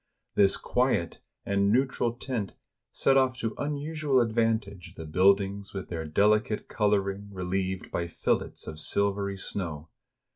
This quiet and neutral tint set of! to unusual advantage the build ings with their delicate coloring relieved by fillets of sil very snow.